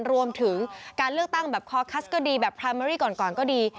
รวมถึงการเลือกตั้งแบบคอคัสก็ดีแบบพราเมอรี่ก่อนก็ดี